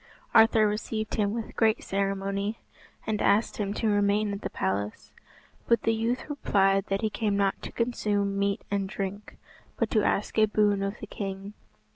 Arthur received him with great ceremony, and asked him to remain at the palace; but the youth replied that he came not to consume meat and drink, but to ask a boon of the king.